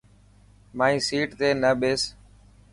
مائي سيٽ تي نه ٻيس.